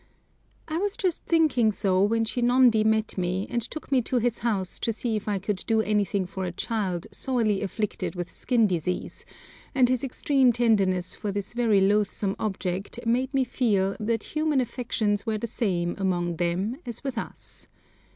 I was just thinking so when Shinondi met me, and took me to his house to see if I could do anything for a child sorely afflicted with skin disease, and his extreme tenderness for this very loathsome object made me feel that human affections were the same among them as with us.